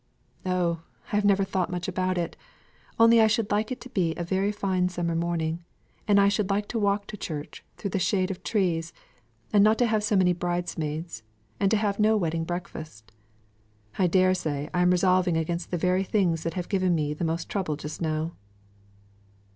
"Oh, I have never thought much about it; only I should like it to be a very fine summer morning; and I should like to walk to church through the shade of trees; and not to have so many bridesmaids, and to have no wedding breakfast. I dare say I am resolving against the very things that have given me the most trouble just now."